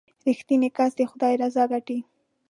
• رښتینی کس د خدای رضا ګټي.